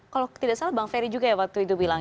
kalau tidak salah bang ferry juga ya waktu itu bilang